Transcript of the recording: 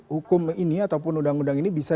hukum ini ataupun undang undang ini bisa